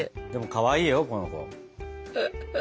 でもかわいいよこの子。